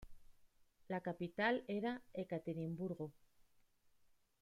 La capital era Ekaterimburgo.